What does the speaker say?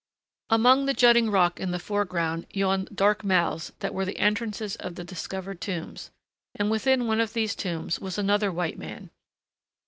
Among the jutting rock in the foreground yawned dark mouths that were the entrances of the discovered tombs, and within one of these tombs was another white man.